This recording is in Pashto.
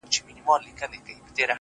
تا چي نن په مينه راته وكتل;